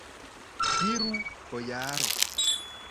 Diru, bojaro!